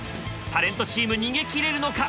タレントチーム逃げ切れるのか？